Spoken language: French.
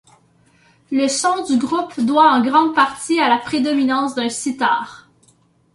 Le son du groupe doit en grande partie à la prédominance d'un sitar.